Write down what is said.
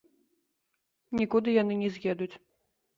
Нікуды яны не з'едуць!